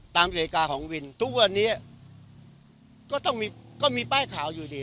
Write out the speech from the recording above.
นาฬิกาของวินทุกวันนี้ก็ต้องมีก็มีป้ายข่าวอยู่ดี